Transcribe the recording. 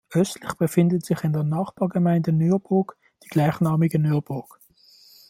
Östlich befindet sich in der Nachbargemeinde Nürburg die gleichnamige Nürburg.